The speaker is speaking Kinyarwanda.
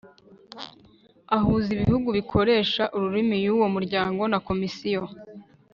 Uhuza ibihugu bikoresha ururimi y uwo muryango na komisiyo